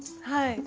はい。